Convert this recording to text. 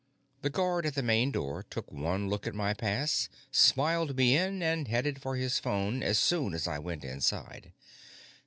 The guard at the main door took one look at my pass, smiled me in, and headed for his phone as soon as I went inside.